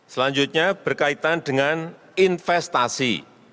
selanjutnya berkaitan dengan investasi